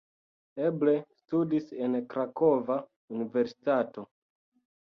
Eble studis en Krakova universitato.